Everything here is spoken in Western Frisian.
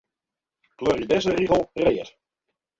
Kleurje dizze rigel read.